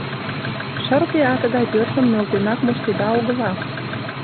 Шырпе ате гай пӧртым нӧлтенак моштеда-огыла.